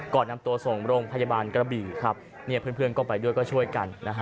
ก่อนนำตัวส่งโรงพยาบาลกระบี่ครับเนี่ยเพื่อนก็ไปด้วยก็ช่วยกันนะฮะ